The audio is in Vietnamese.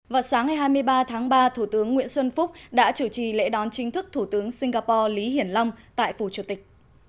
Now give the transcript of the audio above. vào sáng ngày hai mươi ba tháng ba thủ tướng nguyễn xuân phúc đã chủ trì lễ đón chính thức thủ tướng singapore lý hiển long tại phủ chủ tịch